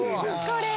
これ！